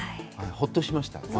ほっとしました。